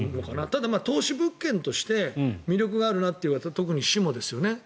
ただ、投資物件として魅力があるのはといわれたら志茂ですよね。